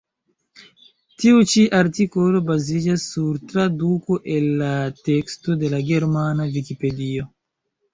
Tiu ĉi artikolo baziĝas sur traduko el la teksto de la germana vikipedio.